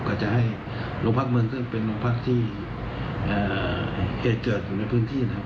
ก็จะให้โรงพักเมืองซึ่งเป็นโรงพักที่เหตุเกิดอยู่ในพื้นที่นะครับ